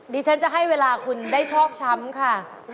ดิฉันจะให้เวลาคุณได้ชอกช้ำค่ะ